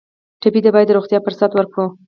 ټپي ته باید د روغتیا فرصت ورکړو.